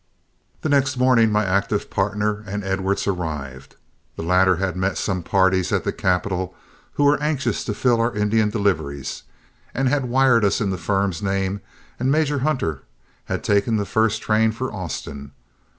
The next morning my active partner and Edwards arrived. The latter had met some parties at the capital who were anxious to fill our Indian deliveries, and had wired us in the firm's name, and Major Hunter had taken the first train for Austin.